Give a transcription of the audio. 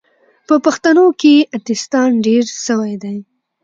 په پښتانو کې اتیستان ډیر سوې دي